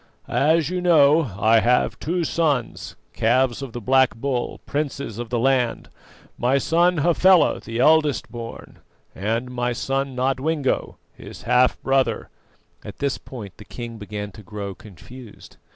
As you know, I have two sons, calves of the Black Bull, princes of the land my son Hafela, the eldest born, and my son Nodwengo, his half brother " At this point the king began to grow confused.